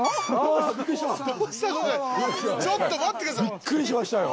びっくりしましたよ！